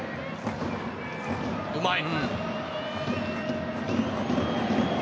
うまい！